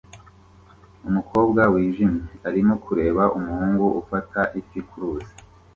Umukobwa wijimye arimo kureba umuhungu ufata ifi kuruzi